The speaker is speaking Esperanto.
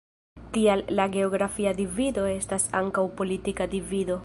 Tial la geografia divido estas ankaŭ politika divido.